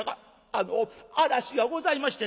「あの嵐がございまして」。